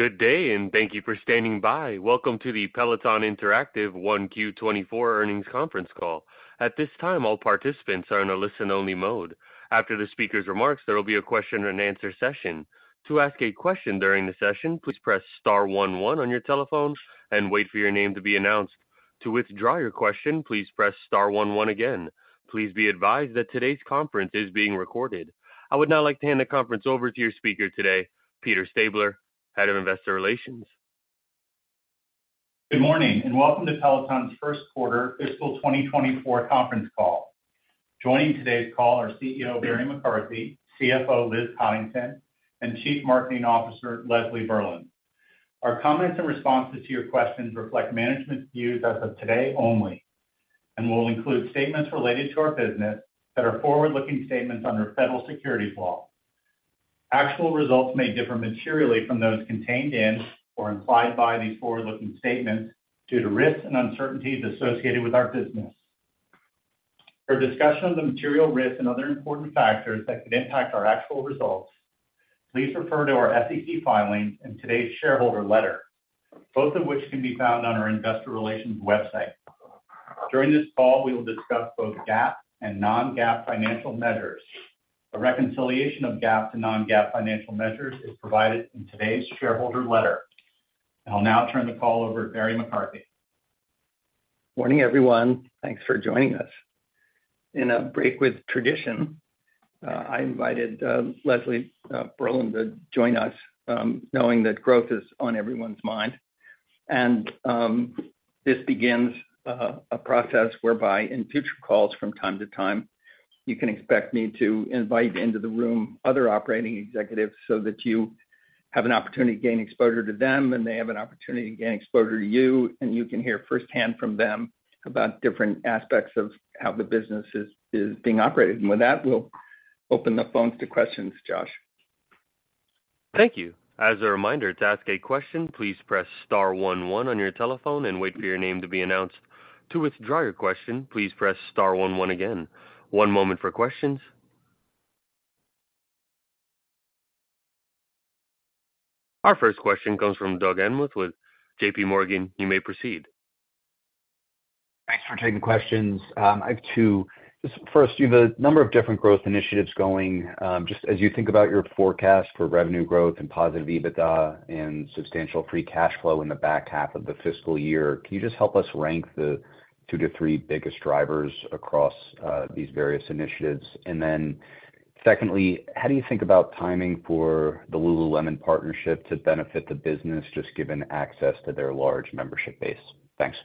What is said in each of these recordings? Good day, and thank you for standing by. Welcome to the Peloton Interactive Q1 2024 Earnings Conference Call. At this time, all participants are in a listen-only mode. After the speaker's remarks, there will be a question-and-answer session. To ask a question during the session, please press star one one on your telephone and wait for your name to be announced. To withdraw your question, please press star one one again. Please be advised that today's conference is being recorded. I would now like to hand the conference over to your speaker today, Peter Stabler, Head of Investor Relations. Good morning, and welcome to Peloton's first quarter fiscal 2024 conference call. Joining today's call are CEO, Barry McCarthy, CFO, Liz Coddington, and Chief Marketing Officer, Leslie Berland. Our comments and responses to your questions reflect management's views as of today only, and will include statements related to our business that are forward-looking statements under federal securities law. Actual results may differ materially from those contained in or implied by these forward-looking statements due to risks and uncertainties associated with our business. For a discussion of the material risks and other important factors that could impact our actual results, please refer to our SEC filings and today's shareholder letter, both of which can be found on our investor relations website. During this call, we will discuss both GAAP and non-GAAP financial measures. A reconciliation of GAAP to non-GAAP financial measures is provided in today's shareholder letter. I'll now turn the call over to Barry McCarthy. Morning, everyone. Thanks for joining us. In a break with tradition, I invited Leslie Berland to join us, knowing that growth is on everyone's mind. This begins a process whereby in future calls from time to time, you can expect me to invite into the room other operating executives so that you have an opportunity to gain exposure to them, and they have an opportunity to gain exposure to you, and you can hear firsthand from them about different aspects of how the business is being operated. With that, we'll open the phones to questions, Josh. Thank you. As a reminder, to ask a question, please press star one one on your telephone and wait for your name to be announced. To withdraw your question, please press star one one again. One moment for questions. Our first question comes from Doug Anmuth with JPMorgan. You may proceed. Thanks for taking questions. I have two. Just first, you have a number of different growth initiatives going. Just as you think about your forecast for revenue growth and positive EBITDA and substantial free cash flow in the back half of the fiscal year, can you just help us rank the two-three biggest drivers across these various initiatives? And then secondly, how do you think about timing for the Lululemon partnership to benefit the business, just given access to their large membership base? Thanks.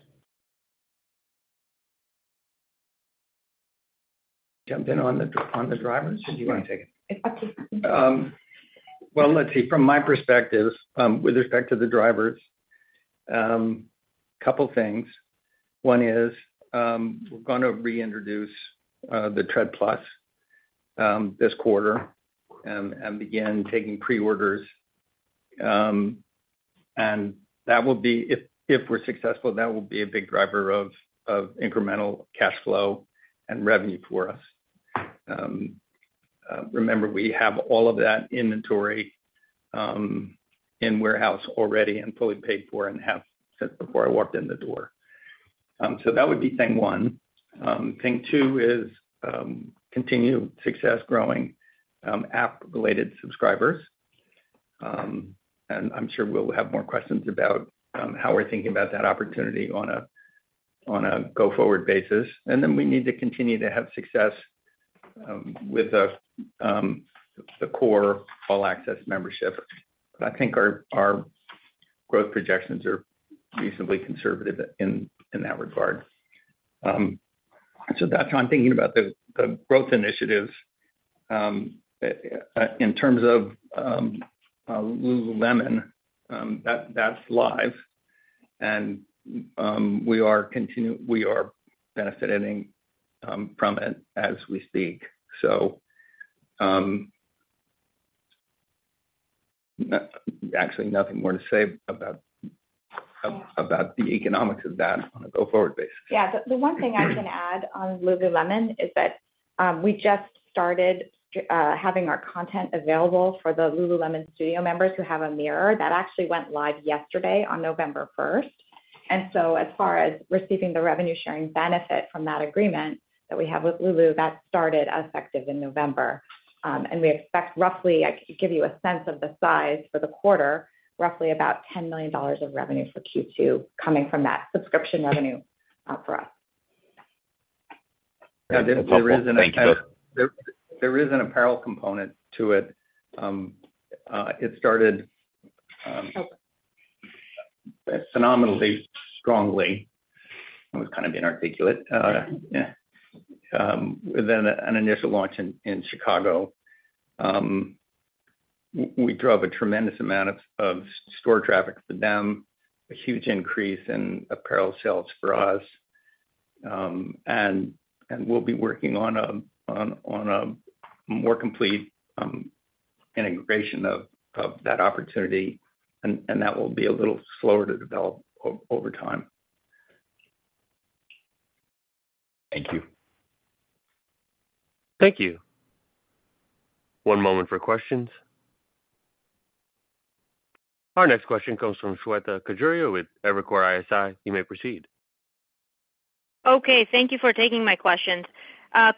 Jump in on the drivers, or do you want to take it? It's up to you. Well, let's see. From my perspective, with respect to the drivers, couple things. One is, we're gonna reintroduce the Tread+, this quarter, and begin taking pre-orders. And that will be... If, if we're successful, that will be a big driver of, of incremental cash flow and revenue for us. Remember, we have all of that inventory, in warehouse already and fully paid for and have since before I walked in the door. So that would be thing one. Thing two is, continued success growing, app-related subscribers. And I'm sure we'll have more questions about, how we're thinking about that opportunity on a, on a go-forward basis. And then we need to continue to have success, with the, the core All-Access membership. But I think our growth projections are reasonably conservative in that regard. So that's how I'm thinking about the growth initiatives. In terms of Lululemon, that's live and we are benefiting from it as we speak. So actually nothing more to say about the economics of that on a go-forward basis. Yeah, the one thing I can add on Lululemon is that, we just started having our content available for the Lululemon Studio members who have a Mirror. That actually went live yesterday on November first. And so as far as receiving the revenue-sharing benefit from that agreement that we have with Lulu, that started effective in November. And we expect roughly, I can give you a sense of the size for the quarter, roughly about $10 million of revenue for Q2 coming from that subscription revenue, for us. Thank you. There is an apparel component to it. It started phenomenally strongly. I was kind of inarticulate. Yeah. Within an initial launch in Chicago, we drove a tremendous amount of store traffic for them, a huge increase in apparel sales for us. And we'll be working on a more complete integration of that opportunity, and that will be a little slower to develop over time. Thank you. Thank you. One moment for questions. Our next question comes from Shweta Khajuria with Evercore ISI. You may proceed. Okay, thank you for taking my questions.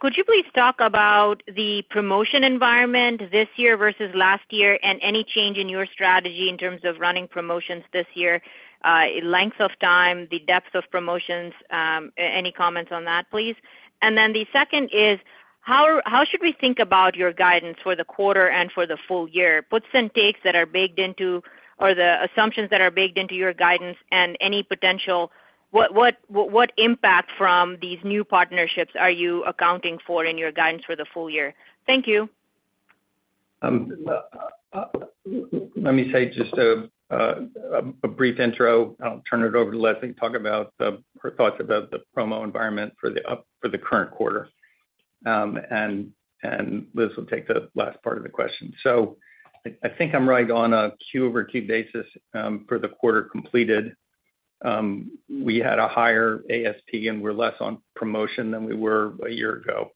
Could you please talk about the promotion environment this year versus last year, and any change in your strategy in terms of running promotions this year, length of time, the depth of promotions, any comments on that, please? And then the second is, how should we think about your guidance for the quarter and for the full year? Puts and takes that are baked into, or the assumptions that are baked into your guidance and any potential, what impact from these new partnerships are you accounting for in your guidance for the full year? Thank you. Let me say just a brief intro. I'll turn it over to Leslie to talk about her thoughts about the promo environment for the up—for the current quarter. And Liz will take the last part of the question. So I think I'm right on a Q-over-Q basis for the quarter completed. We had a higher ASP, and we're less on promotion than we were a year ago.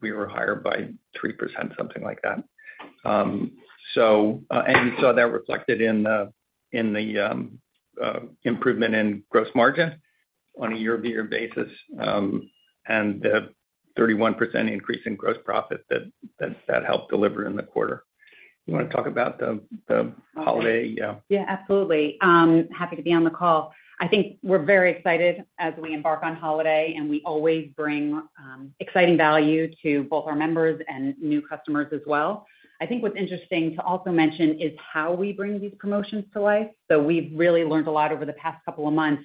We were higher by 3%, something like that. So, and you saw that reflected in the improvement in gross margin on a year-over-year basis, and the 31% increase in gross profit that helped deliver in the quarter. You want to talk about the holiday? Yeah. Yeah, absolutely. Happy to be on the call. I think we're very excited as we embark on holiday, and we always bring exciting value to both our members and new customers as well. I think what's interesting to also mention is how we bring these promotions to life. So we've really learned a lot over the past couple of months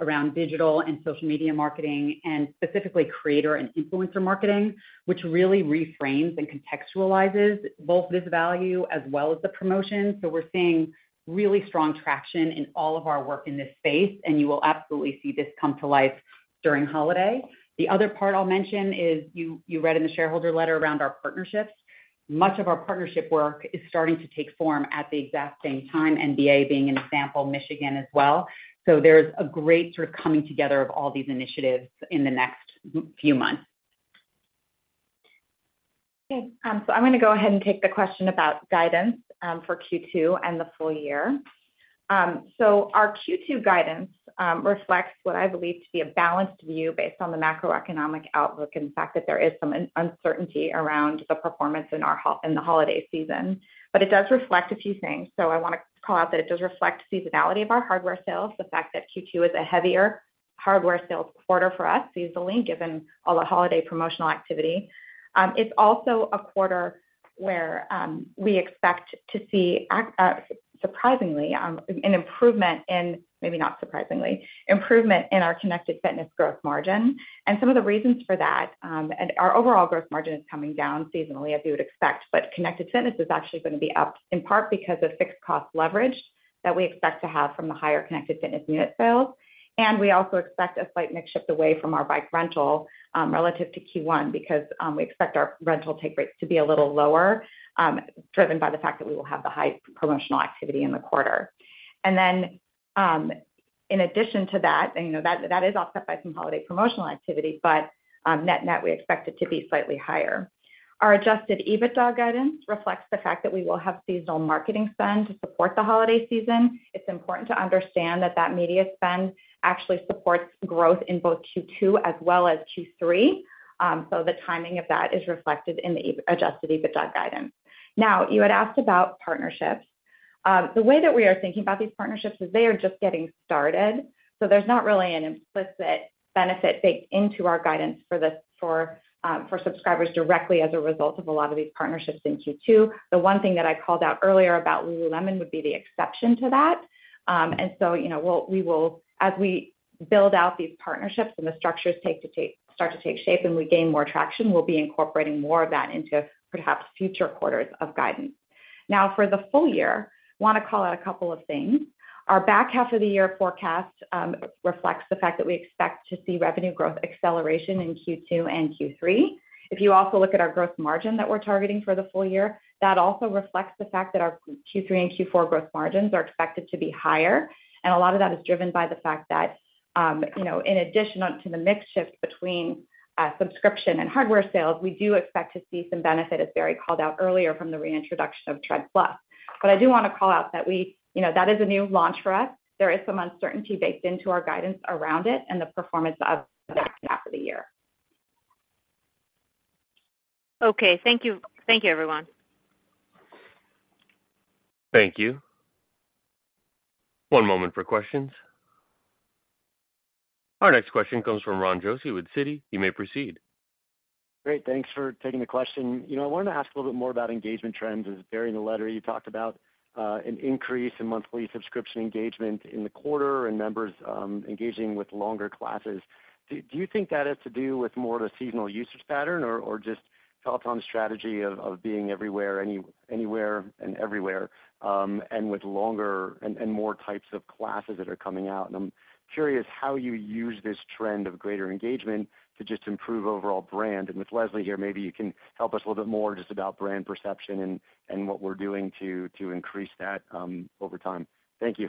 around digital and social media marketing, and specifically creator and influencer marketing, which really reframes and contextualizes both this value as well as the promotion. So we're seeing really strong traction in all of our work in this space, and you will absolutely see this come to life during holiday. The other part I'll mention is you, you read in the shareholder letter around our partnerships. Much of our partnership work is starting to take form at the exact same time, NBA being an example, Michigan as well. There's a great sort of coming together of all these initiatives in the next few months. Okay, so I'm going to go ahead and take the question about guidance for Q2 and the full year. So our Q2 guidance reflects what I believe to be a balanced view based on the macroeconomic outlook and the fact that there is some uncertainty around the performance in our in the holiday season. But it does reflect a few things. So I want to call out that it does reflect seasonality of our hardware sales, the fact that Q2 is a heavier hardware sales quarter for us seasonally, given all the holiday promotional activity. It's also a quarter where we expect to see surprisingly an improvement in. Maybe not surprisingly, improvement in our connected fitness gross margin. And some of the reasons for that, and our overall gross margin is coming down seasonally, as you would expect. Connected Fitness is actually going to be up, in part because of fixed cost leverage that we expect to have from the higher Connected Fitness unit sales. We also expect a slight mix shift away from our Bike rental relative to Q1, because we expect our rental take rates to be a little lower, driven by the fact that we will have the high promotional activity in the quarter. In addition to that, and you know, that, that is offset by some holiday promotional activity, but net net, we expect it to be slightly higher. Our Adjusted EBITDA guidance reflects the fact that we will have seasonal marketing spend to support the holiday season. It's important to understand that that media spend actually supports growth in both Q2 as well as Q3. So the timing of that is reflected in the adjusted EBITDA guidance. Now, you had asked about partnerships. The way that we are thinking about these partnerships is they are just getting started, so there's not really an implicit benefit baked into our guidance for subscribers directly as a result of a lot of these partnerships in Q2. The one thing that I called out earlier about Lululemon would be the exception to that. And so, you know, we will, as we build out these partnerships and the structures start to take shape and we gain more traction, we'll be incorporating more of that into perhaps future quarters of guidance. Now, for the full year, want to call out a couple of things. Our back half of the year forecast reflects the fact that we expect to see revenue growth acceleration in Q2 and Q3. If you also look at our gross margin that we're targeting for the full year, that also reflects the fact that our Q3 and Q4 gross margins are expected to be higher. And a lot of that is driven by the fact that, you know, in addition to the mix shift between subscription and hardware sales, we do expect to see some benefit, as Barry called out earlier, from the reintroduction of Tread+. But I do want to call out that we... You know, that is a new launch for us. There is some uncertainty baked into our guidance around it and the performance of the back half of the year. Okay. Thank you. Thank you, everyone. Thank you. One moment for questions. Our next question comes from Ron Josey with Citi. You may proceed. Great, thanks for taking the question. You know, I wanted to ask a little bit more about engagement trends. As Barry, in the letter, you talked about an increase in monthly subscription engagement in the quarter and members engaging with longer classes. Do you think that has to do with more of a seasonal usage pattern or just Peloton's strategy of being everywhere, anywhere and everywhere, and with longer and more types of classes that are coming out? And I'm curious how you use this trend of greater engagement to just improve overall brand. And with Leslie here, maybe you can help us a little bit more just about brand perception and what we're doing to increase that over time. Thank you.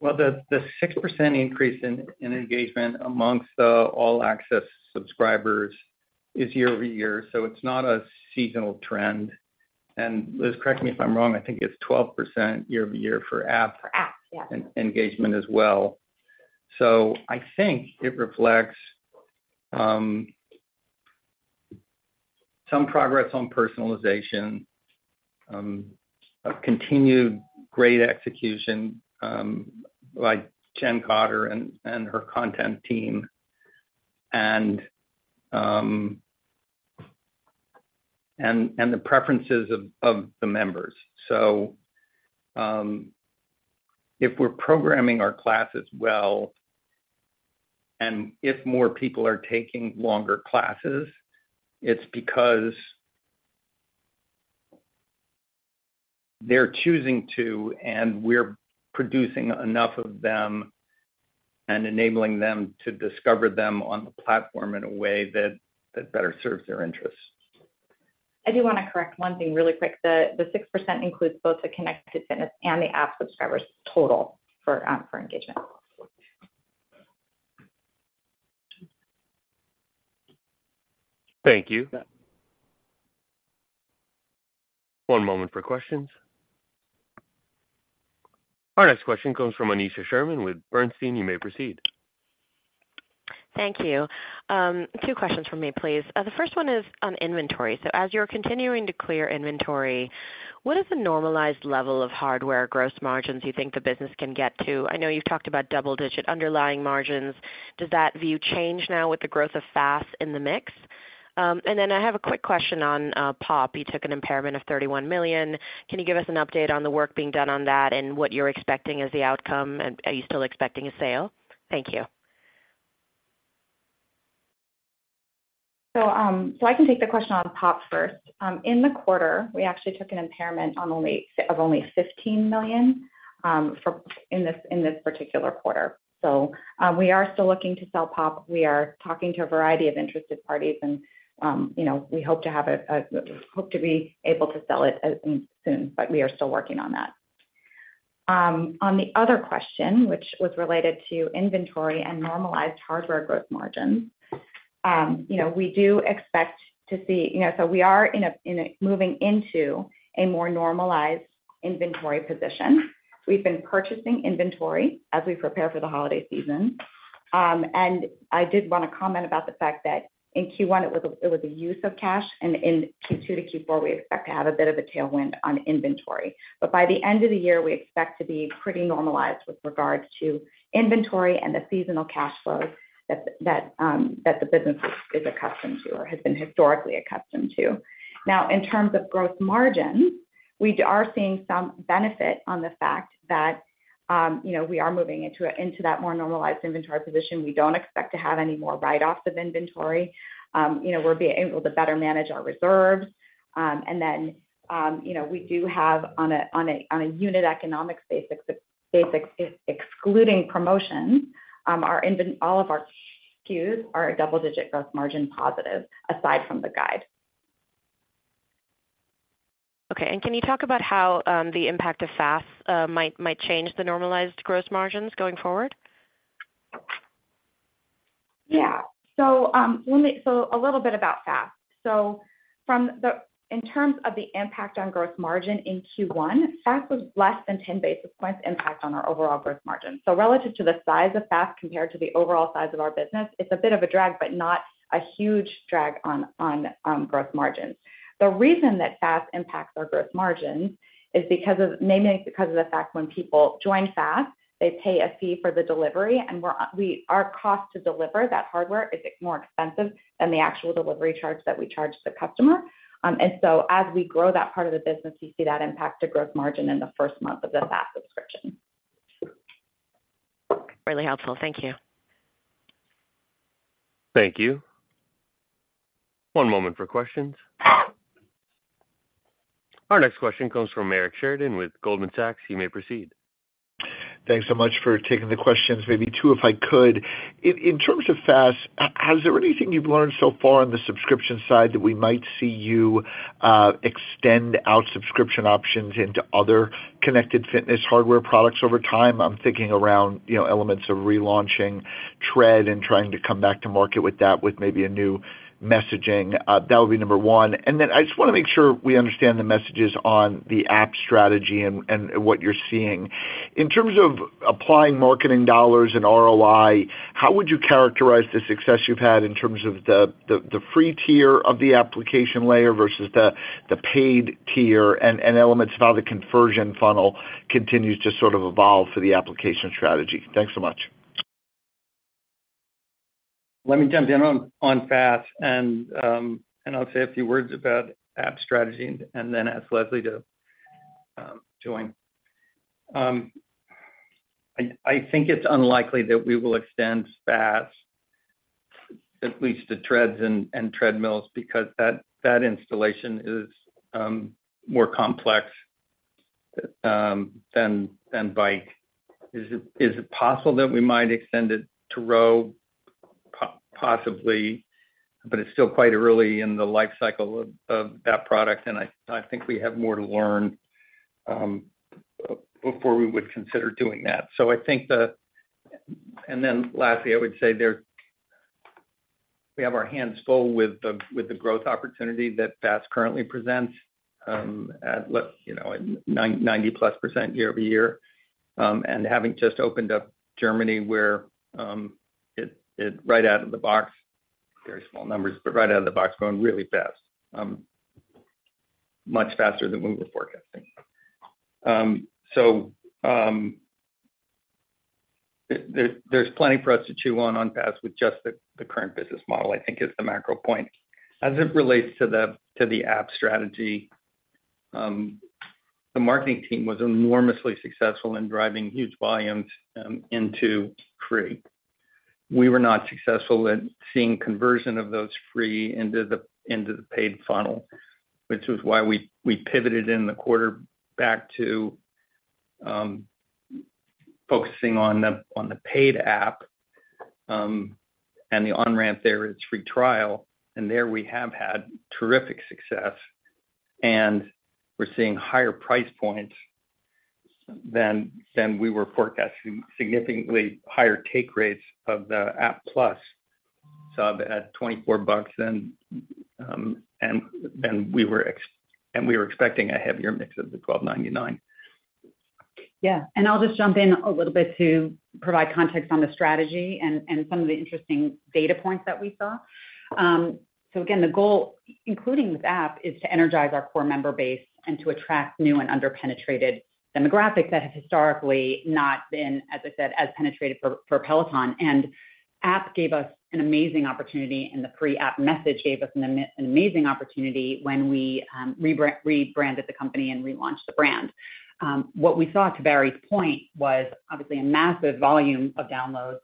Well, the six percent increase in engagement among the All-Access subscribers is year-over-year, so it's not a seasonal trend. And Liz, correct me if I'm wrong, I think it's 12% year-over-year for app- For app, yeah. -engagement as well. So I think it reflects some progress on personalization, a continued great execution by Jen Cotter and her content team, and the preferences of the members. So, if we're programming our classes well, and if more people are taking longer classes, it's because they're choosing to, and we're producing enough of them and enabling them to discover them on the platform in a way that better serves their interests. I do want to correct one thing really quick. The 6% includes both the Connected Fitness and the app subscribers total for engagement. Thank you. One moment for questions. Our next question comes from Aneesha Sherman with Bernstein. You may proceed. Thank you. Two questions from me, please. The first one is on inventory. So as you're continuing to clear inventory, what is the normalized level of hardware gross margins you think the business can get to? I know you've talked about double-digit underlying margins. Does that view change now with the growth of FaaS in the mix? And then I have a quick question on POP. You took an impairment of $31 million. Can you give us an update on the work being done on that and what you're expecting as the outcome, and are you still expecting a sale? Thank you. I can take the question on POP first. In the quarter, we actually took an impairment of only $15 million for... In this particular quarter. We are still looking to sell POP. We are talking to a variety of interested parties and, you know, we hope to have a-- hope to be able to sell it soon, but we are still working on that. On the other question, which was related to inventory and normalized hardware gross margins, you know, we do expect to see... You know, we are moving into a more normalized inventory position. We've been purchasing inventory as we prepare for the holiday season. And I did want to comment about the fact that in Q1, it was a use of cash, and in Q2 to Q4, we expect to have a bit of a tailwind on inventory. But by the end of the year, we expect to be pretty normalized with regards to inventory and the seasonal cash flows that the business is accustomed to or has been historically accustomed to. Now, in terms of gross margins, we are seeing some benefit on the fact that, you know, we are moving into that more normalized inventory position. We don't expect to have any more write-offs of inventory. You know, we'll be able to better manage our reserves. And then, you know, we do have on a unit economics basics, excluding promotions, all of our SKUs are double-digit gross margin positive, aside from the Guide. Okay. And can you talk about how the impact of FaaS might change the normalized gross margins going forward? Yeah. So, a little bit about FaaS. In terms of the impact on gross margin in Q1, FaaS was less than 10 basis points impact on our overall gross margin. So relative to the size of FaaS compared to the overall size of our business, it's a bit of a drag, but not a huge drag on gross margins. The reason that FaaS impacts our gross margin is because mainly because of the fact when people join FaaS, they pay a fee for the delivery, and our cost to deliver that hardware is more expensive than the actual delivery charge that we charge the customer. And so as we grow that part of the business, we see that impact to gross margin in the first month of the FaaS subscription. Really helpful. Thank you. Thank you. One moment for questions. Our next question comes from Eric Sheridan with Goldman Sachs. You may proceed. Thanks so much for taking the questions. Maybe two, if I could. In terms of FaaS, has there anything you've learned so far on the subscription side that we might see you extend out subscription options into other connected fitness hardware products over time? I'm thinking around, you know, elements of relaunching Tread and trying to come back to market with that with maybe a new messaging. That would be number one. And then I just want to make sure we understand the messages on the app strategy and what you're seeing. In terms of applying marketing dollars and ROI, how would you characterize the success you've had in terms of the free tier of the application layer versus the paid tier and elements of how the conversion funnel continues to sort of evolve for the application strategy? Thanks so much. Let me jump in on FaaS, and I'll say a few words about app strategy and then ask Leslie to join. I think it's unlikely that we will extend FaaS, at least to Treads and treadmills, because that installation is more complex than Bike. Is it possible that we might extend it to Row? Possibly, but it's still quite early in the life cycle of that product, and I think we have more to learn before we would consider doing that. So I think the—and then lastly, I would say there, we have our hands full with the growth opportunity that FaaS currently presents, you know, at 90%+ year-over-year. And having just opened up Germany, where it right out of the box, very small numbers, but right out of the box, growing really FaaS. Much FaaSer than we were forecasting. So, there's plenty for us to chew on, on FaaS with just the current business model, I think is the macro point. As it relates to the app strategy, the marketing team was enormously successful in driving huge volumes into free. We were not successful at seeing conversion of those free into the, into the paid funnel, which was why we, we pivoted in the quarter back to, focusing on the, on the paid app, and the on-ramp there, it's free trial, and there we have had terrific success, and we're seeing higher price points than, than we were forecasting, significantly higher take rates of the App+ sub at $24 than, than we were expecting a heavier mix of the $12.99. Yeah, and I'll just jump in a little bit to provide context on the strategy and some of the interesting data points that we saw. So again, the goal, including with App, is to energize our core member base and to attract new and under-penetrated demographics that have historically not been, as I said, as penetrated for Peloton. And App gave us an amazing opportunity, and the pre-app message gave us an amazing opportunity when we rebranded the company and relaunched the brand. What we saw, to Barry's point, was obviously a massive volume of downloads.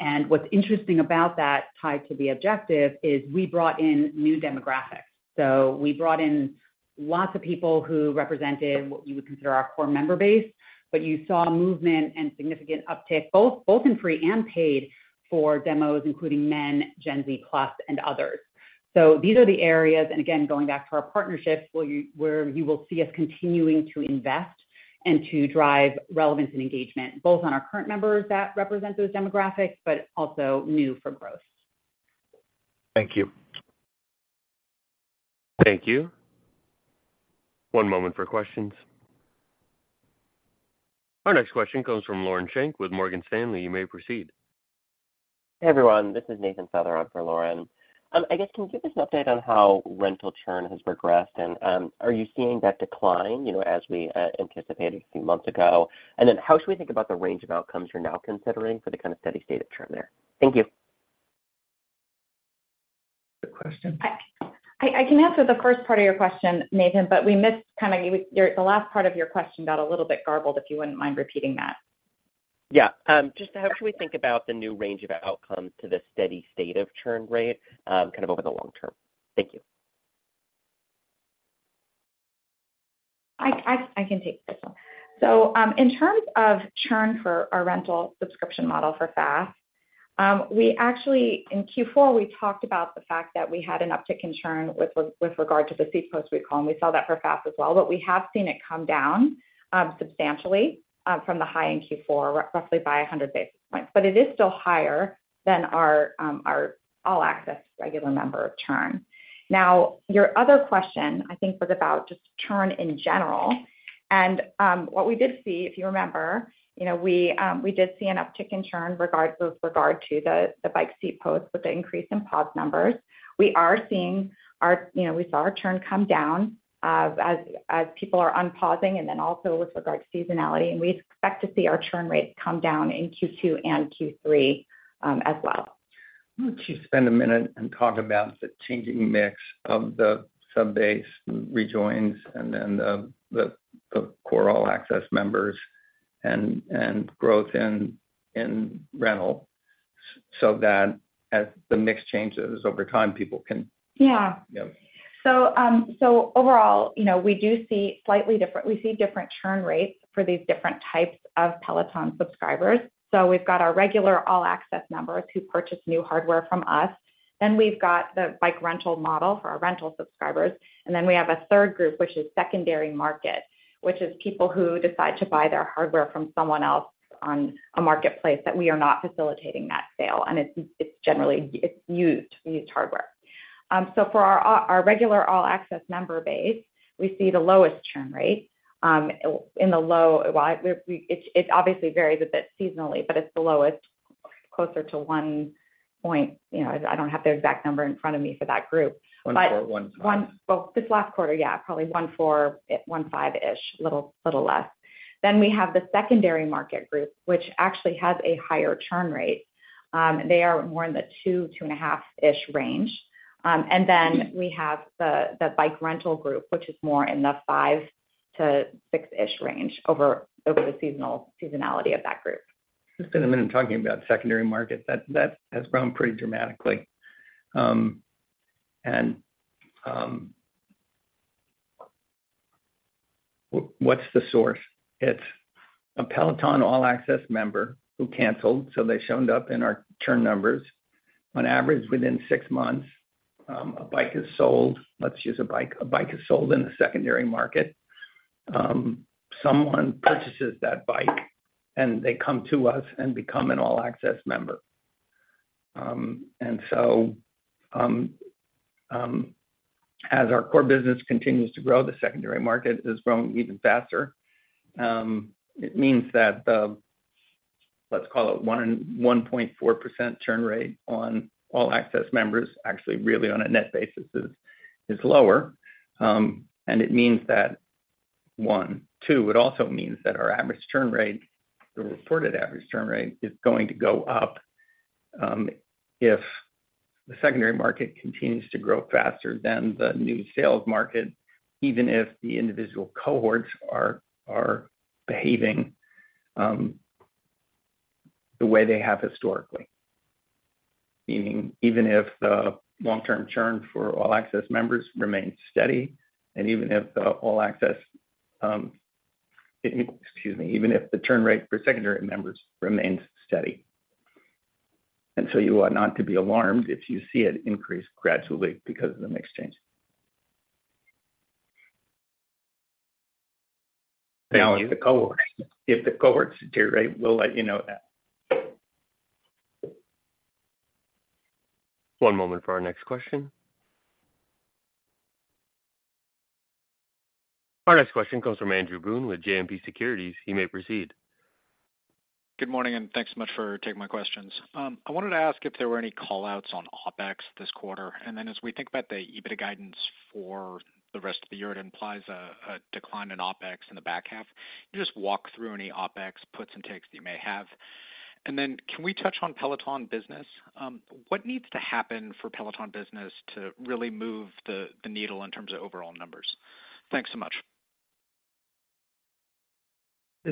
And what's interesting about that tied to the objective is we brought in new demographics. So we brought in lots of people who represented what you would consider our core member base, but you saw movement and significant uptick, both in free and paid-for demos, including men, Gen Z plus, and others. So these are the areas, and again, going back to our partnerships, where you, where you will see us continuing to invest and to drive relevance and engagement, both on our current members that represent those demographics, but also new for growth. Thank you. Thank you. One moment for questions. Our next question comes from Lauren Schenk with Morgan Stanley. You may proceed. Hey, everyone, this is Nathan Feather on for Lauren. I guess, can you give us an update on how rental churn has progressed? And, are you seeing that decline, you know, as we anticipated a few months ago? And then how should we think about the range of outcomes you're now considering for the kind of steady state of churn there? Thank you. Good question. I can answer the first part of your question, Nathan, but we missed kind of... Your—the last part of your question got a little bit garbled, if you wouldn't mind repeating that. Yeah, just how should we think about the new range of outcomes to the steady state of churn rate, kind of over the long term? Thank you. I can take this one. So, in terms of churn for our rental subscription model for FaaS, we actually, in Q4, we talked about the fact that we had an uptick in churn with regard to the seat post recall, and we saw that for FaaS as well. But we have seen it come down substantially, from the high in Q4, roughly by 100 basis points. But it is still higher than our All-Access regular member churn. Now, your other question, I think, was about just churn in general. And, what we did see, if you remember, you know, we did see an uptick in churn with regard to the Bike seat post with the increase in pause numbers. We are seeing our... You know, we saw our churn come down as people are unpausing and then also with regard to seasonality, and we expect to see our churn rates come down in Q2 and Q3 as well. Why don't you spend a minute and talk about the changing mix of the subbase rejoins and then the core All-Access members and growth in rental, so that as the mix changes over time, people can- Yeah. Yeah. So overall, you know, we do see slightly different, we see different churn rates for these different types of Peloton subscribers. So we've got our regular All-Access members who purchase new hardware from us, then we've got the Bike rental model for our rental subscribers, and then we have a third group, which is secondary market, which is people who decide to buy their hardware from someone else on a marketplace, that we are not facilitating that sale, and it's generally used hardware. So for our regular All-Access member base, we see the lowest churn rate. Well, it obviously varies a bit seasonally, but it's the lowest, closer to 1%. You know, I don't have the exact number in front of me for that group. 1.4, 1.5. Well, this last quarter, yeah, probably 1.4-1.5-ish, a little less. Then we have the secondary market group, which actually has a higher churn rate. They are more in the 2-2.5-ish range. And then we have the Bike rental group, which is more in the 5-6-ish range over the seasonality of that group. Just spend a minute talking about secondary market. That has grown pretty dramatically. What's the source? It's a Peloton All-Access member who canceled, so they showed up in our churn numbers. On average, within six months, a Bike is sold. Let's use a Bike. A Bike is sold in the secondary market. Someone purchases that Bike, and they come to us and become an All-Access member. And so, as our core business continues to grow, the secondary market is growing even FaaSer. It means that the, let's call it 1% and 1.4% churn rate on All-Access members, actually, really on a net basis, is lower. And it means that one. Two, it also means that our average churn rate, the reported average churn rate, is going to go up, if the secondary market continues to grow FaaSer than the new sales market, even if the individual cohorts are behaving the way they have historically. Meaning, even if the long-term churn for All-Access members remains steady, and even if the All-Access, excuse me, even if the churn rate for secondary members remains steady. And so you want not to be alarmed if you see it increase gradually because of the mix change. Thank you. Now, if the cohorts, if the cohorts deteriorate, we'll let you know that. One moment for our next question. Our next question comes from Andrew Boone with JMP Securities. You may proceed. Good morning, and thanks so much for taking my questions. I wanted to ask if there were any call-outs on OpEx this quarter. And then as we think about the EBITDA guidance for the rest of the year, it implies a decline in OpEx in the back half. Can you just walk through any OpEx puts and takes that you may have? And then can we touch on Peloton Business? What needs to happen for Peloton Business to really move the needle in terms of overall numbers? Thanks so much.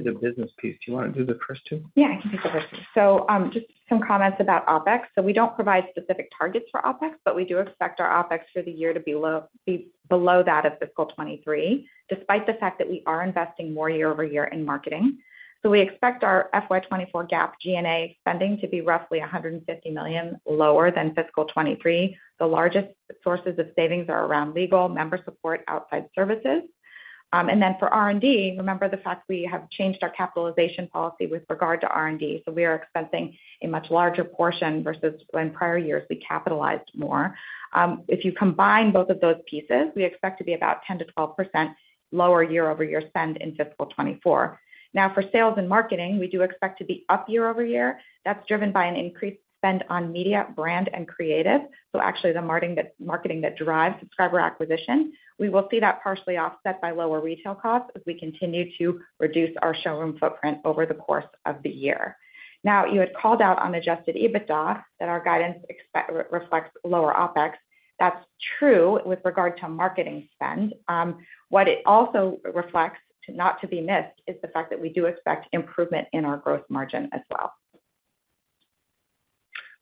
The business piece. Do you want to do the first two? Yeah, I can take the first two. So, just some comments about OpEx. So we don't provide specific targets for OpEx, but we do expect our OpEx for the year to be low, be below that of fiscal 2023, despite the fact that we are investing more year-over-year in marketing. So we expect our FY 2024 GAAP G&A spending to be roughly $150 million lower than fiscal 2023. The largest sources of savings are around legal, member support, outside services. And then for R&D, remember the fact we have changed our capitalization policy with regard to R&D, so we are expensing a much larger portion versus when prior years we capitalized more. If you combine both of those pieces, we expect to be about 10%-12% lower year-over-year spend in fiscal 2024. Now, for sales and marketing, we do expect to be up year-over-year. That's driven by an increased spend on media, brand, and creative. So actually, the marketing that drives subscriber acquisition. We will see that partially offset by lower retail costs as we continue to reduce our showroom footprint over the course of the year. Now, you had called out on adjusted EBITDA that our guidance reflects lower OpEx. That's true with regard to marketing spend. What it also reflects, not to be missed, is the fact that we do expect improvement in our gross margin as well.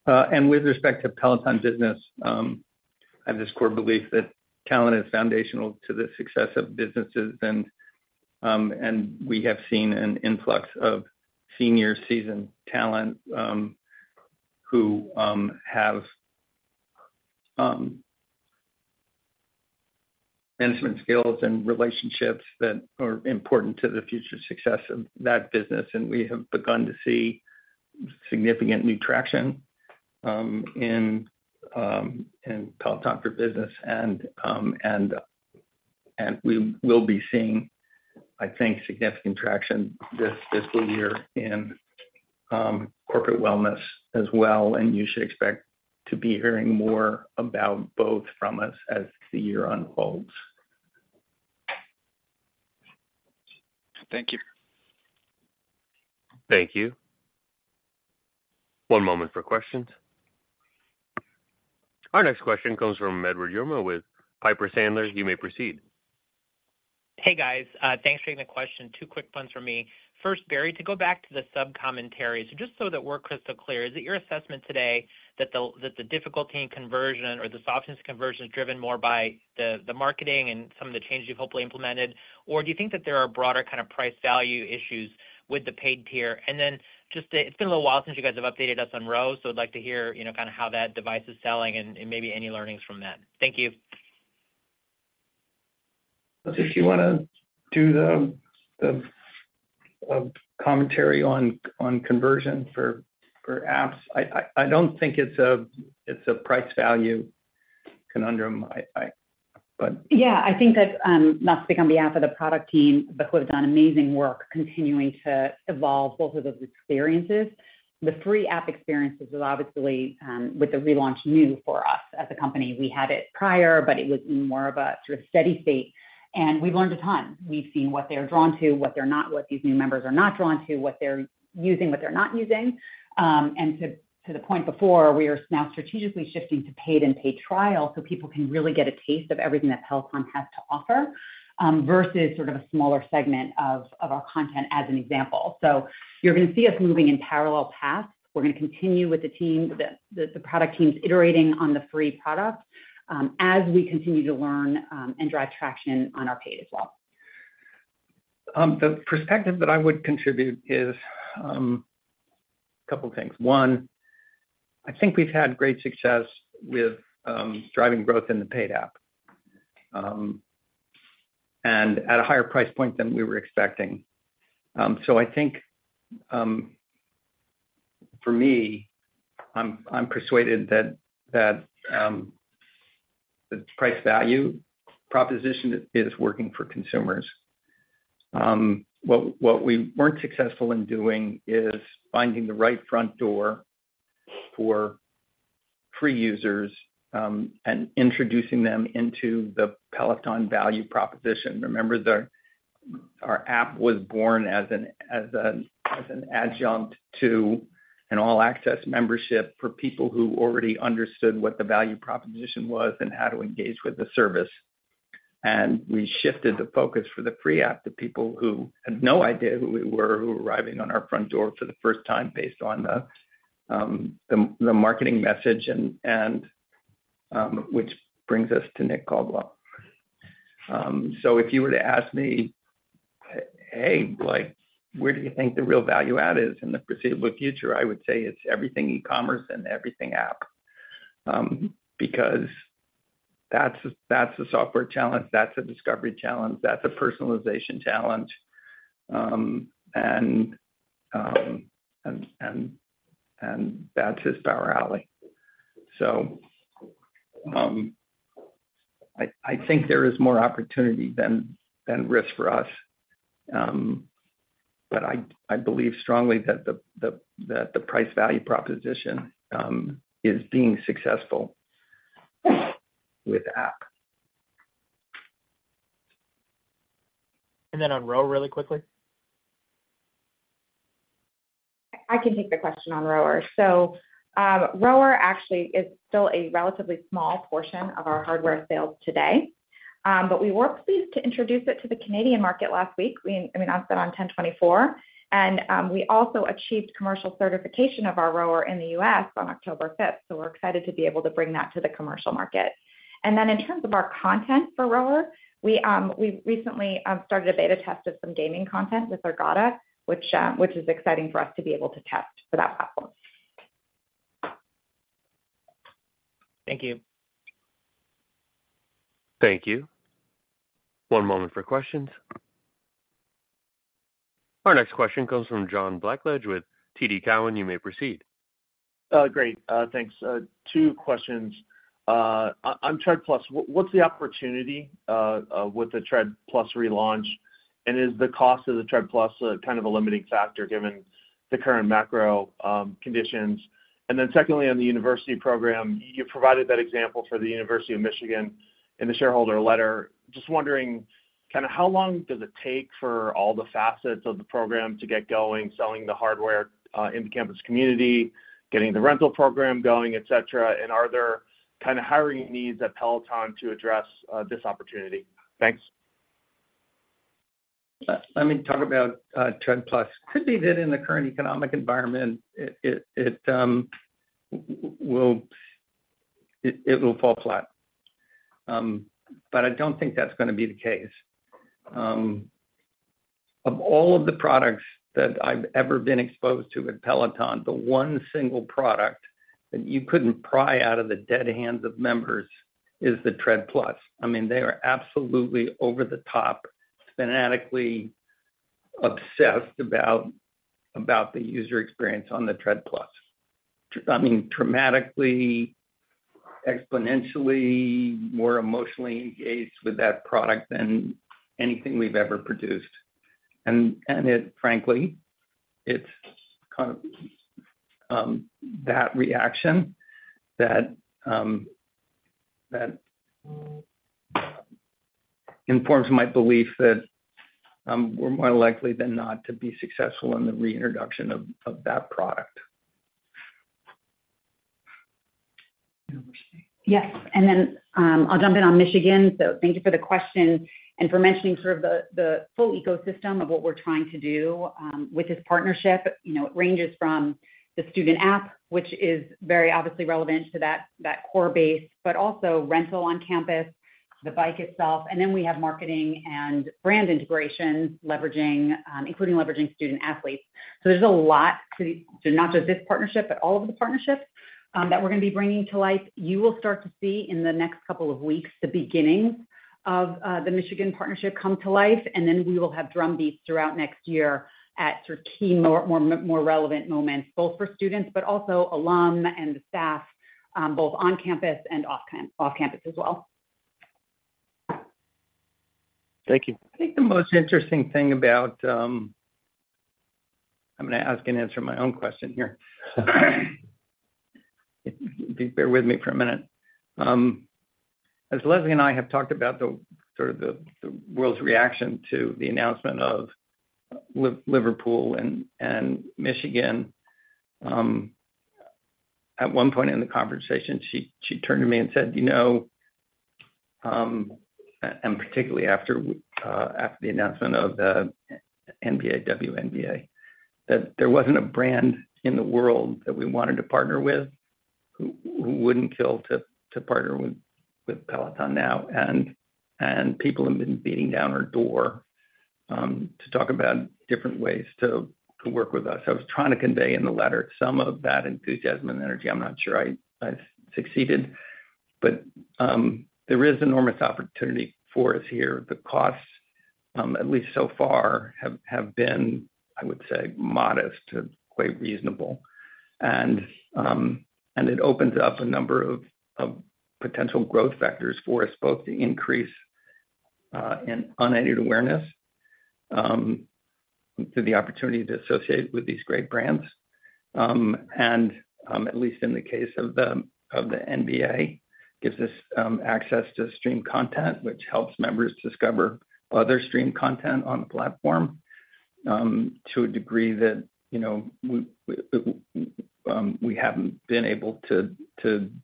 And with respect to Peloton for Business, I have this core belief that talent is foundational to the success of businesses and we have seen an influx of senior seasoned talent who have management skills and relationships that are important to the future success of that business. And we have begun to see significant new traction in Peloton for Business. And we will be seeing, I think, significant traction this fiscal year in corporate wellness as well, and you should expect to be hearing more about both from us as the year unfolds. Thank you. Thank you. One moment for questions. Our next question comes from Edward Yruma with Piper Sandler. You may proceed. Hey, guys. Thanks for taking the question. Two quick ones from me. First, Barry, to go back to the sub-commentary. So just so that we're crystal clear, is it your assessment today that the difficulty in conversion or the softness conversion is driven more by the marketing and some of the changes you've hopefully implemented, or do you think that there are broader kind of price value issues with the paid tier? And then just, it's been a little while since you guys have updated us on Row, so I'd like to hear, you know, kind of how that device is selling and maybe any learnings from that. Thank you. If you want to do the commentary on conversion for apps, I don't think it's a price value conundrum, but- Yeah, I think that, not to speak on behalf of the product team, but who have done amazing work continuing to evolve both of those experiences. The three app experiences is obviously with the relaunch, new for us as a company. We had it prior, but it was more of a sort of steady state, and we've learned a ton. We've seen what they're drawn to, what they're not, what these new members are not drawn to, what they're using, what they're not using. And to the point before, we are now strategically shifting to paid and paid trial so people can really get a taste of everything that Peloton has to offer, versus sort of a smaller segment of our content, as an example. So you're going to see us moving in parallel paths. We're going to continue with the team, the product teams iterating on the free product, as we continue to learn, and drive traction on our paid as well. The perspective that I would contribute is couple things. One, I think we've had great success with driving growth in the paid app and at a higher price point than we were expecting. So I think, for me, I'm persuaded that the price value proposition is working for consumers. What we weren't successful in doing is finding the right front door for free users and introducing them into the Peloton value proposition. Remember, our app was born as an adjunct to an all-access membership for people who already understood what the value proposition was and how to engage with the service. We shifted the focus for the free app to people who had no idea who we were, who were arriving on our front door for the first time based on the marketing message and which brings us to Nick Caldwell. So if you were to ask me, "Hey, like, where do you think the real value add is in the foreseeable future?" I would say it's everything e-commerce and everything app because that's a software challenge, that's a discovery challenge, that's a personalization challenge and that's his power alley. So I think there is more opportunity than risk for us. But I believe strongly that the price value proposition is being successful with app. And then on Rower, really quickly? I can take the question on Rower. So, Rower actually is still a relatively small portion of our hardware sales today. But we were pleased to introduce it to the Canadian market last week. I mean, we announced it on 10/24, and we also achieved commercial certification of our Rower in the U.S. on October 5. So we're excited to be able to bring that to the commercial market. And then in terms of our content for Rower, we recently started a beta test of some gaming content with Ergatta, which is exciting for us to be able to test for that platform. Thank you. Thank you. One moment for questions. Our next question comes from John Blackledge with TD Cowen. You may proceed. Great. Thanks. Two questions. On Tread+, what's the opportunity with the Tread+ relaunch? And is the cost of the Tread+ kind of a limiting factor given the current macro conditions? And then secondly, on the university program, you provided that example for the University of Michigan in the shareholder letter. Just wondering, kinda, how long does it take for all the facets of the program to get going, selling the hardware in the campus community, getting the rental program going, et cetera? And are there kind of hiring needs at Peloton to address this opportunity? Thanks. Let me talk about Tread+. Could be that in the current economic environment, it will fall flat. But I don't think that's gonna be the case. Of all of the products that I've ever been exposed to with Peloton, the one single product that you couldn't pry out of the dead hands of members is the Tread+. I mean, they are absolutely over the top, fanatically obsessed about the user experience on the Tread+. I mean, dramatically, exponentially more emotionally engaged with that product than anything we've ever produced. And it frankly, it's kind of that reaction that informs my belief that we're more likely than not to be successful in the reintroduction of that product. Yes, and then I'll jump in on Michigan. So thank you for the question and for mentioning sort of the full ecosystem of what we're trying to do with this partnership. You know, it ranges from the student app, which is very obviously relevant to that core base, but also rental on campus, the Bike itself, and then we have marketing and brand integration, leveraging including leveraging student-athletes. So there's a lot to not just this partnership, but all of the partnerships that we're gonna be bringing to life. You will start to see in the next couple of weeks the beginning of the Michigan partnership come to life, and then we will have drumbeats throughout next year at sort of key, more relevant moments, both for students, but also alumni and the staff, both on campus and off campus as well. Thank you. I think the most interesting thing about... I'm gonna ask and answer my own question here. Bear with me for a minute. As Leslie and I have talked about the, sort of, the, the world's reaction to the announcement of Lululemon and Michigan, at one point in the conversation, she turned to me and said, "You know," and particularly after the announcement of the NBA, WNBA, "that there wasn't a brand in the world that we wanted to partner with who wouldn't kill to partner with Peloton now," and people have been beating down our door to talk about different ways to work with us. I was trying to convey in the letter some of that enthusiasm and energy. I'm not sure I succeeded, but there is enormous opportunity for us here. The costs, at least so far, have been, I would say, modest to quite reasonable. And it opens up a number of potential growth factors for us, both to increase in unaided awareness through the opportunity to associate with these great brands. And, at least in the case of the NBA, gives us access to stream content, which helps members discover other stream content on the platform to a degree that, you know, we haven't been able to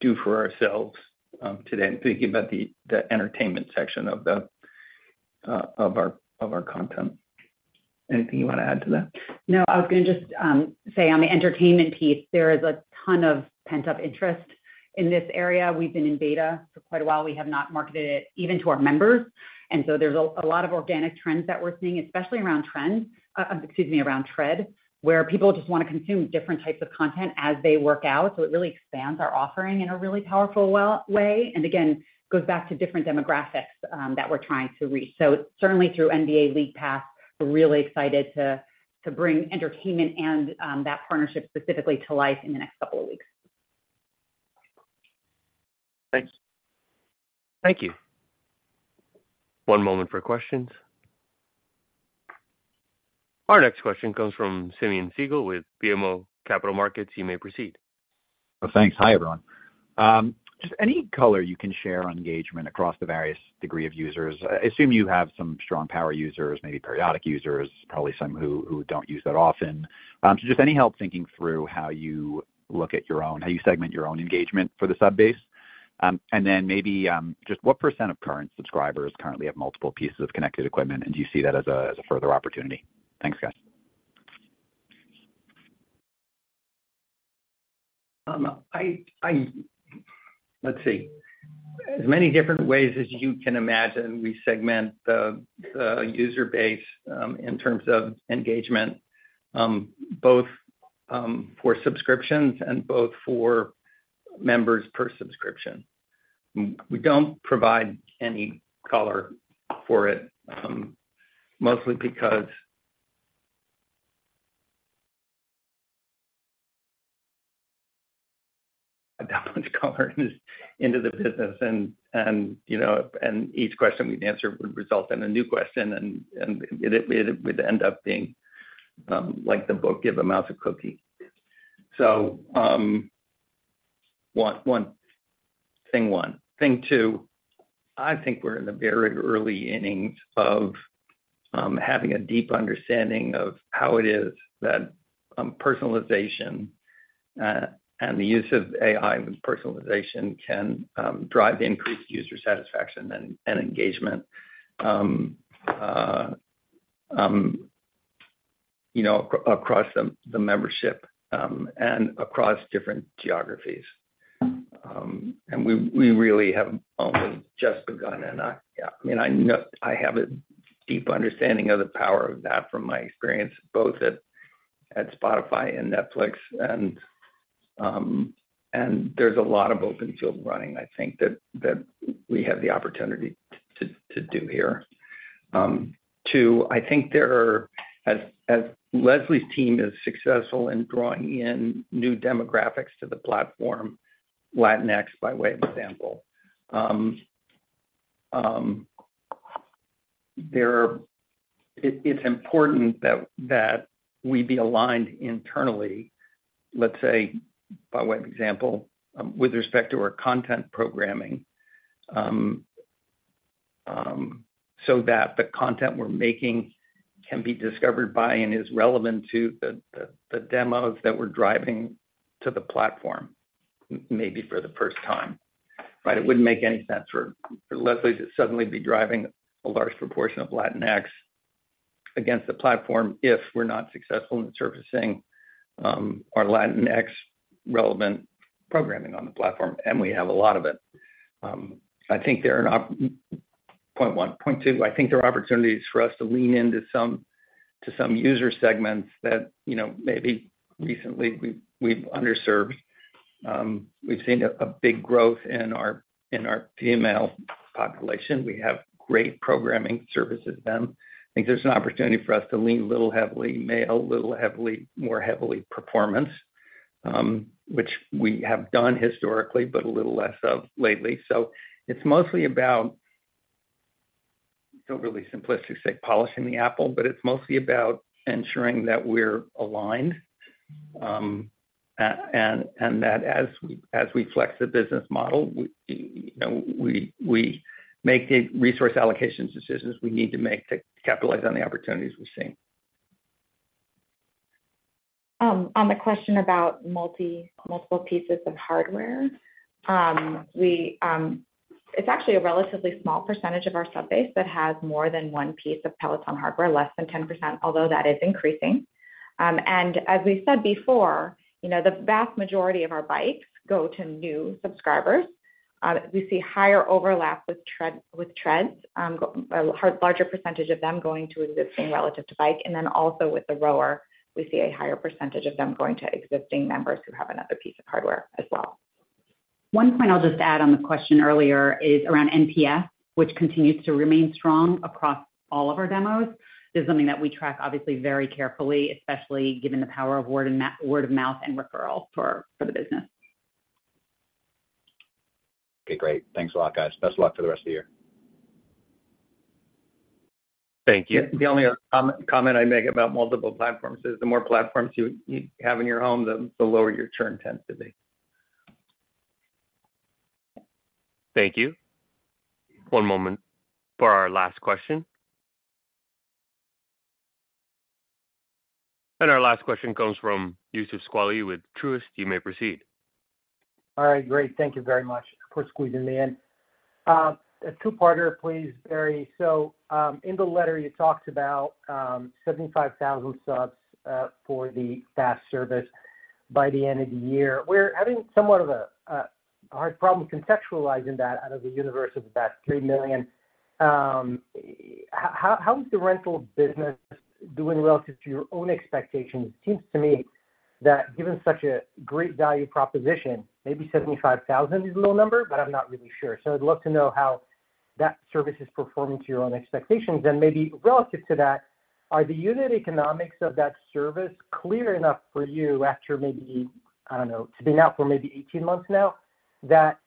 do for ourselves today. I'm thinking about the entertainment section of our content. Anything you want to add to that? No, I was gonna just say on the entertainment piece, there is a ton of pent-up interest in this area. We've been in beta for quite a while. We have not marketed it even to our members, and so there's a lot of organic trends that we're seeing, especially around trends, excuse me, around tread, where people just want to consume different types of content as they work out. So it really expands our offering in a really powerful way, and again, goes back to different demographics that we're trying to reach. So certainly through NBA League Pass, we're really excited to bring entertainment and that partnership specifically to life in the next couple of weeks. Thanks. Thank you. One moment for questions. Our next question comes from Simeon Siegel with BMO Capital Markets. You may proceed. Well, thanks. Hi, everyone. Just any color you can share on engagement across the various degree of users? I assume you have some strong power users, maybe periodic users, probably some who don't use that often. So just any help thinking through how you look at your own, how you segment your own engagement for the sub base? And then maybe, just what % of current subscribers currently have multiple pieces of connected equipment, and do you see that as a further opportunity? Thanks, guys. Let's see. As many different ways as you can imagine, we segment the user base in terms of engagement, both for subscriptions and both for members per subscription. We don't provide any color for it, mostly because that much color into the business and, you know, and each question we'd answer would result in a new question, and it would end up being like the book, Give a Mouse a Cookie. So, one thing. Thing two, I think we're in the very early innings of having a deep understanding of how it is that personalization and the use of AI with personalization can drive increased user satisfaction and engagement, you know, across the membership and across different geographies. We really have only just begun, and I, yeah, I mean, I know—I have a deep understanding of the power of that from my experience, both at Spotify and Netflix, and there's a lot of open field running, I think, that we have the opportunity to do here. Two, I think there are, as Leslie's team is successful in drawing in new demographics to the platform, Latinx, by way of example, there are... It's important that we be aligned internally, let's say, by way of example, with respect to our content programming, so that the content we're making can be discovered by and is relevant to the demos that we're driving to the platform, maybe for the first time, right? It wouldn't make any sense for Leslie to suddenly be driving a large proportion of Latinx against the platform if we're not successful in surfacing our Latinx relevant programming on the platform, and we have a lot of it. I think they're an op Point one. Point two, I think there are opportunities for us to lean into some user segments that, you know, maybe recently we've underserved. We've seen a big growth in our female population. We have great programming services then. I think there's an opportunity for us to lean a little heavily male, more heavily performance, which we have done historically, but a little less of lately. So it's mostly about, it's really simplistic to say polishing the apple, but it's mostly about ensuring that we're aligned, and that as we flex the business model, you know, we make the resource allocations decisions we need to make to capitalize on the opportunities we've seen. On the question about multiple pieces of hardware, we... It's actually a relatively small percentage of our sub base that has more than one piece of Peloton hardware, less than 10%, although that is increasing. And as we said before, you know, the vast majority of our Bikes go to new subscribers. We see higher overlap with Tread, with Treads, a larger percentage of them going to existing relative to Bike. And then also with the Rower, we see a higher percentage of them going to existing members who have another piece of hardware as well. One point I'll just add on the question earlier is around NPS, which continues to remain strong across all of our demos. This is something that we track obviously very carefully, especially given the power of word of mouth and referral for, for the business. Okay, great. Thanks a lot, guys. Best of luck for the rest of the year. Thank you. The only comment I'd make about multiple platforms is, the more platforms you have in your home, the lower your churn tends to be. Thank you. One moment for our last question. Our last question comes from Youssef Squali with Truist. You may proceed. All right, great. Thank you very much for squeezing me in. A two-parter, please, Barry. So, in the letter you talked about 75,000 subs for the FaaS service by the end of the year. We're having somewhat of a hard problem contextualizing that out of the universe of about 3 million. How is the rental business doing relative to your own expectations? It seems to me that given such a great value proposition, maybe 75,000 is a little number, but I'm not really sure. So I'd love to know how that service is performing to your own expectations. And maybe relative to that, are the unit economics of that service clear enough for you after maybe, I don't know, it's been out for maybe 18 months now, that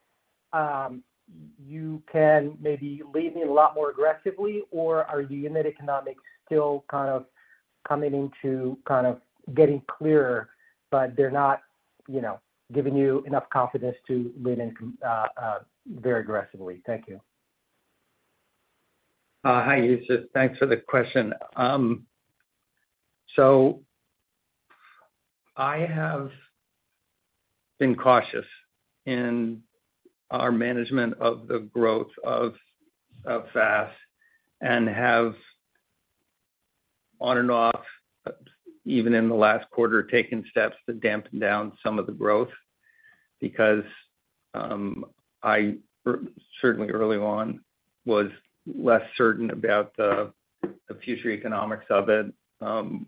you can maybe lean in a lot more aggressively, or are the unit economics still kind of coming into kind of getting clearer, but they're not, you know, giving you enough confidence to lean in very aggressively? Thank you. Hi, Yusuf. Thanks for the question. So I have been cautious in our management of the growth of FaaS and have on and off, even in the last quarter, taken steps to dampen down some of the growth because I certainly early on was less certain about the future economics of it,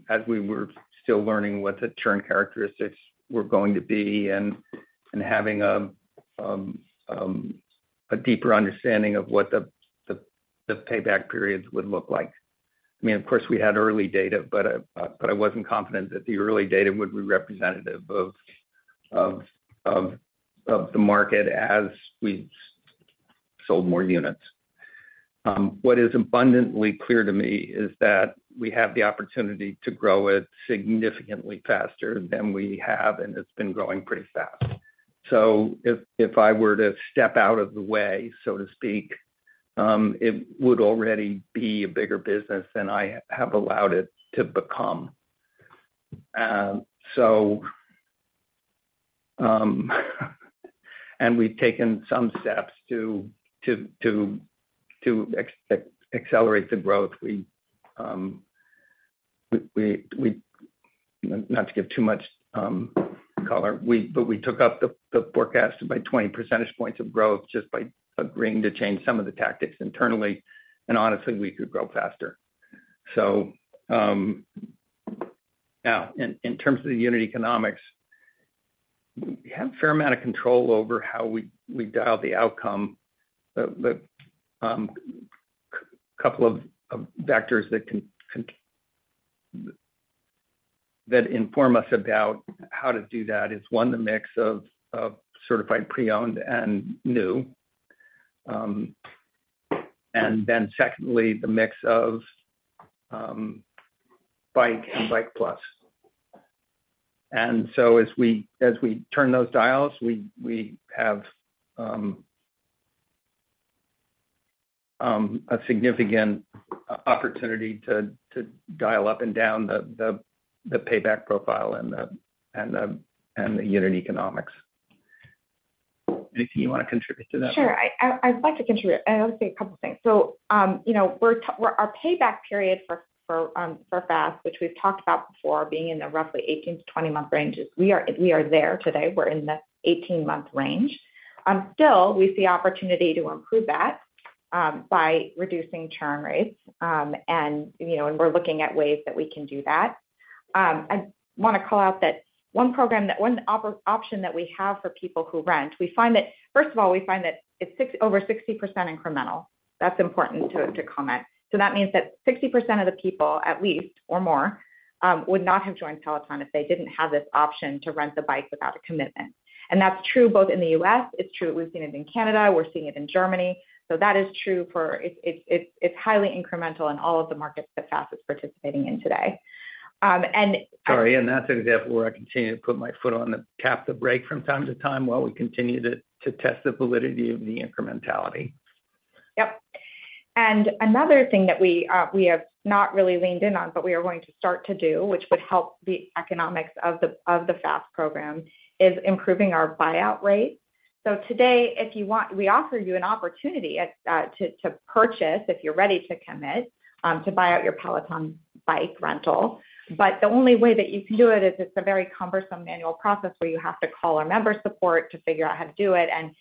as we were still learning what the churn characteristics were going to be and having a deeper understanding of what the payback periods would look like. I mean, of course, we had early data, but I wasn't confident that the early data would be representative of the market as we sold more units. What is abundantly clear to me is that we have the opportunity to grow it significantly FaaSer than we have, and it's been growing pretty FaaS. So if I were to step out of the way, so to speak, it would already be a bigger business than I have allowed it to become. So, and we've taken some steps to accelerate the growth. We not to give too much color, but we took up the forecast by 20 percentage points of growth just by agreeing to change some of the tactics internally, and honestly, we could grow FaaSer. So, now, in terms of the unit economics, we have a fair amount of control over how we dial the outcome. But a couple of factors that can inform us about how to do that is, one, the mix of Certified Pre-Owned and new. And then secondly, the mix of Bike and Bike+. And so as we turn those dials, we have a significant opportunity to dial up and down the payback profile and the unit economics. Liz, you want to contribute to that? Sure. I'd like to contribute. I want to say a couple of things. So, you know, our payback period for FaaS, which we've talked about before, being in the roughly 18-20-month range, we are there today. We're in the 18-month range. Still, we see opportunity to improve that by reducing churn rates. And, you know, we're looking at ways that we can do that. I want to call out that one program, that one option that we have for people who rent, we find that first of all, we find that it's over 60% incremental. That's important to comment. So that means that 60% of the people, at least or more, would not have joined Peloton if they didn't have this option to rent the Bike without a commitment. And that's true both in the U.S., it's true, we've seen it in Canada, we're seeing it in Germany. So that is true for—it's highly incremental in all of the markets that FaaS is participating in today. And- Sorry, and that's an example where I continue to tap the brake from time to time while we continue to test the validity of the incrementality. Yep. And another thing that we have not really leaned in on, but we are going to start to do, which would help the economics of the FaaS program, is improving our buyout rate. So today, if you want, we offer you an opportunity to purchase, if you're ready to commit, to buy out your Peloton Bike rental. But the only way that you can do it is it's a very cumbersome manual process where you have to call our member support to figure out how to do it. And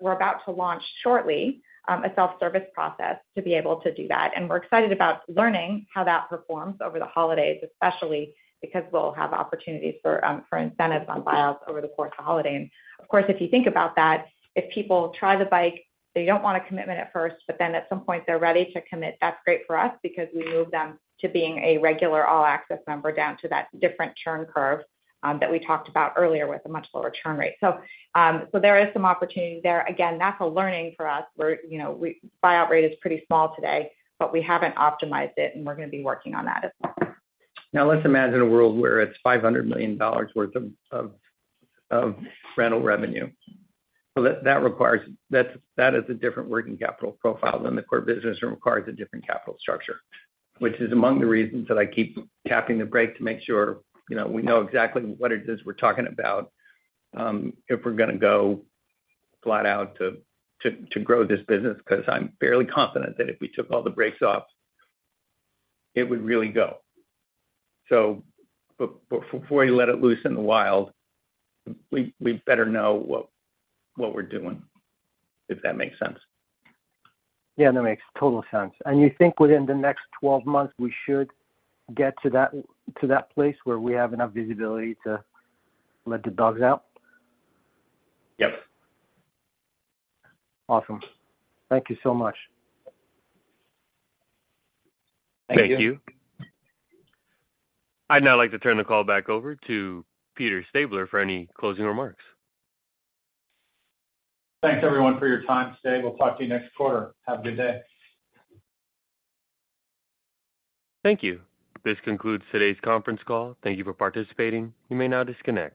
we're about to launch shortly a self-service process to be able to do that. And we're excited about learning how that performs over the holidays, especially because we'll have opportunities for incentives on buyouts over the course of the holiday. And of course, if you think about that, if people try the Bike, they don't want a commitment at first, but then at some point they're ready to commit, that's great for us because we move them to being a regular All-Access member down to that different churn curve, that we talked about earlier with a much lower churn rate. So, so there is some opportunity there. Again, that's a learning for us, where, you know, we buyout rate is pretty small today, but we haven't optimized it, and we're going to be working on that as well. Now, let's imagine a world where it's $500 million worth of rental revenue. So that requires... That is a different working capital profile than the core business and requires a different capital structure, which is among the reasons that I keep tapping the brake to make sure, you know, we know exactly what it is we're talking about, if we're gonna go flat out to grow this business, because I'm fairly confident that if we took all the brakes off, it would really go. So before we let it loose in the wild, we better know what we're doing, if that makes sense. Yeah, that makes total sense. You think within the next 12 months, we should get to that, to that place where we have enough visibility to let the dogs out? Yep. Awesome. Thank you so much. Thank you. I'd now like to turn the call back over to Peter Stabler for any closing remarks. Thanks, everyone, for your time today. We'll talk to you next quarter. Have a good day. Thank you. This concludes today's conference call. Thank you for participating. You may now disconnect.